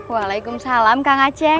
waalaikumsalam kang aceh